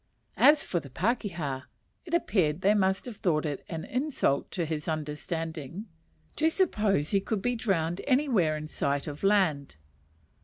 As for the pakeha, it appears they must have thought it an insult to his understanding to suppose he could be drowned anywhere in sight of land.